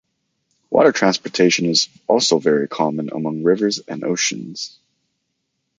Water transportation is also very common along rivers and oceans.